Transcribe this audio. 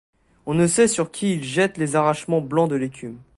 On ne sait sur qui ils jettent les arrachements blancs de l’écume.